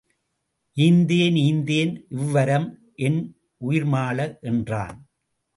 ஈந்தேன் ஈந்தேன் இவ்வரம் என் உயிர்மாள என்றான்.